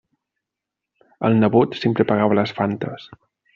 El nebot sempre pagava les Fantes.